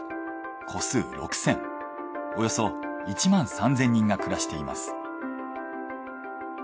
戸数６，０００およそ１万３，０００人が暮らしています。